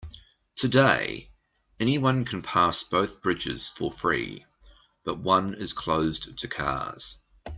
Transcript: Today, anyone can pass both bridges for free, but one is closed to cars.